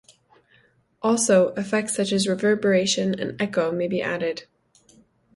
Also, effects such as reverberation and echo may be added.